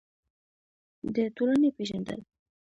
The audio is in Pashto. د ټولنې پېژندل: